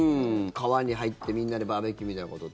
川に入ってみんなでバーベキューみたいなことって。